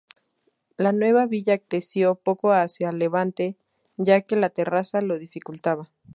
La nueva villa, creció poco hacia levante ya que la terraza lo dificultaba.